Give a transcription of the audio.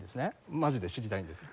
マジで知りたいんですよ。